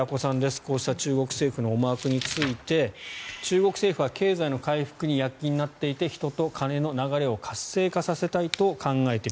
こうした中国政府の思惑について中国政府は経済の回復に躍起になっていて人と金の流れを活性化させたいと考えている。